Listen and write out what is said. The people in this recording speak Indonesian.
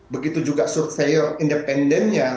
begitu juga surveyor independennya